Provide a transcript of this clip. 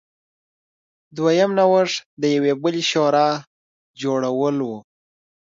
دویم نوښت د یوې بلې شورا جوړول و.